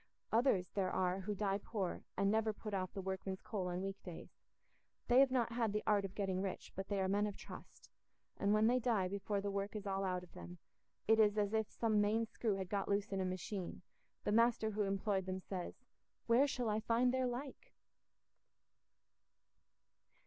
Others there are who die poor and never put off the workman's coat on weekdays. They have not had the art of getting rich, but they are men of trust, and when they die before the work is all out of them, it is as if some main screw had got loose in a machine; the master who employed them says, "Where shall I find their like?"